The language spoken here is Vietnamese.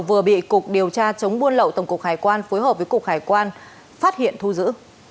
vừa bị cục điều tra chống buôn lậu tổng cục hải quan phối hợp với cục hải quan phát hiện thu giữ